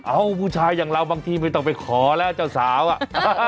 ผู้ชายอย่างเราบางทีไม่ต้องไปขอแล้วเจ้าสาวอ่ะ